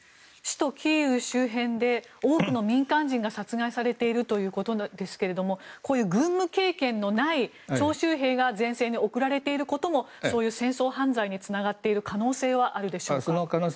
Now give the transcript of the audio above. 首都キーウ周辺で多くの民間人が殺害されているということですがこういう軍務経験のない徴集兵が前線に送られていることもそういう戦争犯罪につながっている可能性はあるでしょうか？